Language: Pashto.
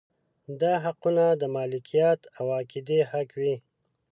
دا حقونه د مالکیت او عقیدې حق وي.